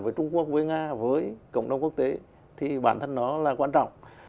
với trung quốc với nga với cộng đồng quốc tế thì bản thân nó là quan trọng